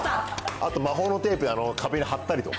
あと、魔法のテープで壁に貼ったりとか。